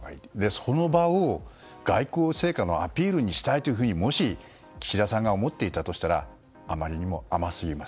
その場を外交成果のアピールにしたいというふうにもし岸田さんが思っていたとしたらあまりにも甘すぎます。